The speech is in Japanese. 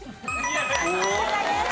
正解です。